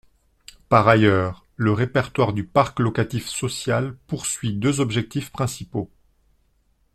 Par ailleurs, le répertoire du parc locatif social poursuit deux objectifs principaux.